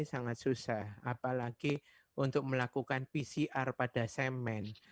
sangat susah apalagi untuk melakukan pcr pada semen